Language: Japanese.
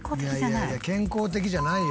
健康的じゃない。